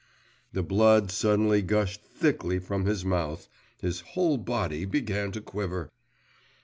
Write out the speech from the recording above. The blood suddenly gushed thickly from his mouth … his whole body began to quiver.